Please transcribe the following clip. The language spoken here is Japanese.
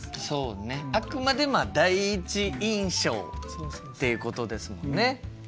そうねあくまで第一印象ってことですもんね。